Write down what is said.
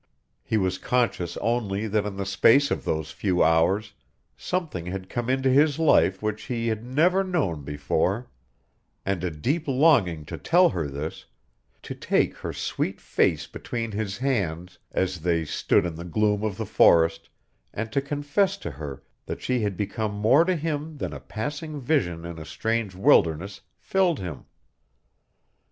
He was conscious only that in the space of those few hours something had come into his life which he had never known before; and a deep longing to tell her this, to take her sweet face between his hands, as they stood in the gloom of the forest, and to confess to her that she had become more to him than a passing vision in a strange wilderness filled him.